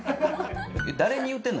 誰に言うてんの？